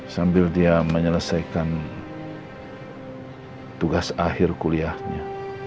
sambil dia menyelesaikan tugas akhir kuliahnya